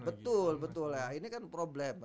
betul betul ya ini kan problem